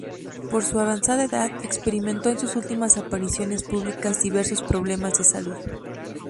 Por su avanzada edad, experimentó en sus últimas apariciones públicas diversos problemas de salud.